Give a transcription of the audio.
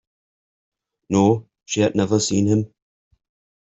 No, she had never seen him.